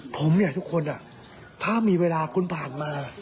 ผมอยากให้ทุกคนถ้ามีเวลาคุณผ่านมา